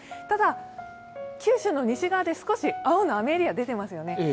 ただ、九州の西側で少し青の雨エリアが出ていますよね。